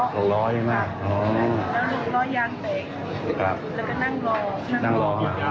เขารู้ตั้งแรกนี่เขารู้ตั้งแรกเพราะว่าใครโทรบอก